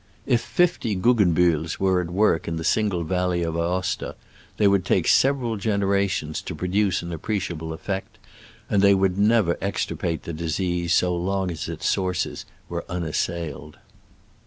. If fifty Guggenbuhls were at work in the single valley of Aosta, they would take several generations to produce an appreciable effect, and they would never extirpate the disease so long as its sources were unassailed.